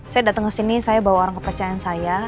saya datang ke sini saya bawa orang kepercayaan saya